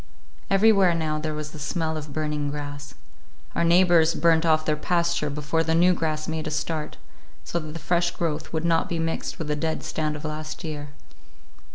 Everywhere now there was the smell of burning grass. Our neighbors burned off their pasture before the new grass made a start, so that the fresh growth would not be mixed with the dead stand of last year.